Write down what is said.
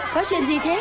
có chuyện gì thế